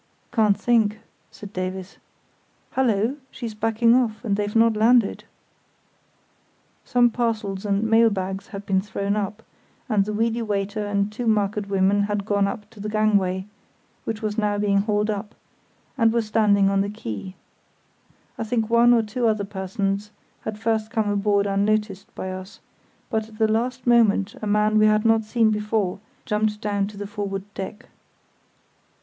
"Can't think," said Davies. "Hullo! she's backing off, and they've not landed." Some parcels and mail bags had been thrown up, and the weedy waiter and two market women had gone up the gangway, which was now being hauled up, and were standing on the quay. I think one or two other persons had first come aboard unnoticed by us, but at the last moment a man we had not seen before jumped down to the forward deck.